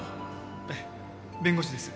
ええ弁護士です。